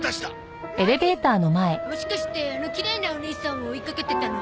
もしかしてあのきれいなおねいさんを追いかけてたの？